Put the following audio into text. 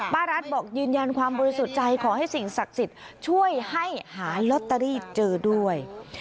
รัฐบอกยืนยันความบริสุทธิ์ใจขอให้สิ่งศักดิ์สิทธิ์ช่วยให้หาลอตเตอรี่เจอด้วย